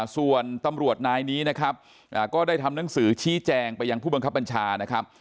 ส่วนตำรวจนายนี้นะครับก็ได้ทำหนังสือชี้แจงไปยังผู้บังคับบัญชานะครับ